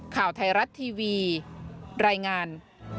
ข่าวไทยรัฐทีวีรายงาน